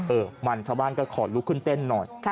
เออมันชาวบ้านก็ขอลุกขึ้นเต้นหน่อย